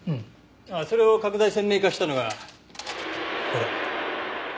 それを拡大鮮明化したのがこれ。